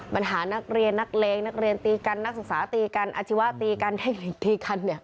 ปัญหานักเรียนนักเลงนักเรียนตีกันนักศึกษาตีกันอาชีวะตีกันเทคนิคตีกันเนี่ย